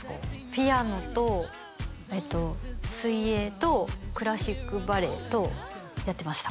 ピアノと水泳とクラシックバレエとやってました